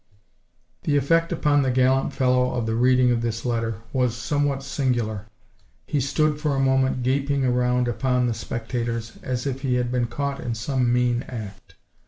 The effect upon the gallant fellow of the reading of this letter, was somewhat singular. He stood for a moment gaping around upon the spectators, as if he had been caught in some mean act.